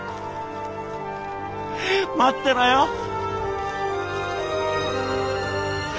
待ってろよ。